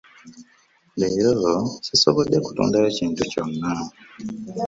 Leero sisobode kutundayo kintu kyonna.